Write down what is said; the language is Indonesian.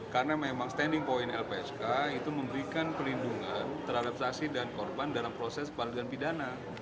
karena memang standing point lpsk itu memberikan pelindungan terhadap saksi dan korban dalam proses kebalikan pidana